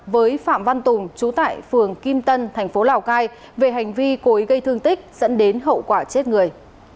với phạm văn tùng trú tại phường kim tân thành phố lào cai về hành vi cố ý gây thương tích dẫn đến hậu quả chết người